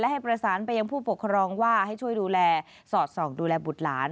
ให้ประสานไปยังผู้ปกครองว่าให้ช่วยดูแลสอดส่องดูแลบุตรหลาน